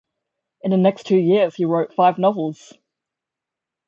In the next two years he wrote five novels.